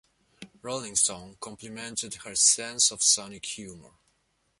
"Rolling Stone" complimented her "sense of sonic humor".